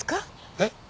えっ？